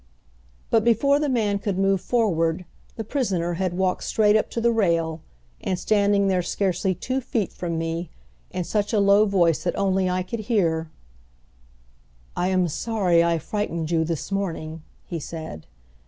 But before the man could move forward the prisoner had walked straight up to the rail, and standing there scarcely two feet from me, in such a low voice that only I could hear, "I am sorry I frightened you this morning," he said.